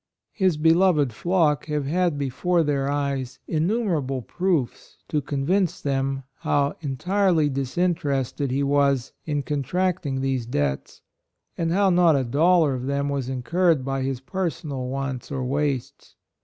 His beloved flock have had before their eyes innumerable 80 HIS DEBTS proofs to convince them how en tirely disinterested he was in con tracting these debts, and how not a dollar of them was incurred by his personal wants or wastes.